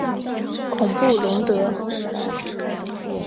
孔布龙德。